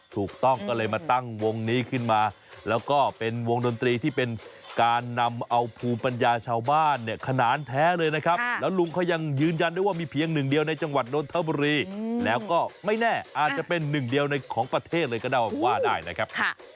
ถูกต้องก็เลยมาตั้งวงนี้ขึ้นมาแล้วก็เป็นวงดนตรีที่เป็นการนำเอาภูมิปัญญาชาวบ้านเนี่ยขนานแท้เลยนะครับแล้วลุงเขายังยืนยันได้ว่ามีเพียงหนึ่งเดียวในจังหวัดนนทบุรีแล้วก็ไม่แน่อาจจะเป็นหนึ่งเดียวในของประเทศเลยก็ได้ว่าได้นะครับ